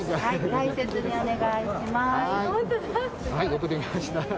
大切にお願いします。